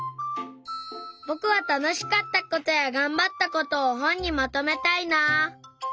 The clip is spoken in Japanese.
ぼくはたのしかったことやがんばったことをほんにまとめたいな。